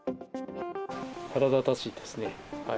腹立たしいですね。